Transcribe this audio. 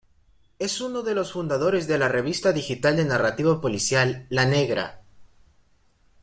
Es uno de los fundadores de la revista digital de narrativa policial "La Negra".